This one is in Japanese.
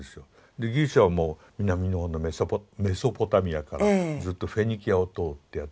でギリシャはもう南のほうのメソポタミアからずっとフェニキアを通ってやって来て。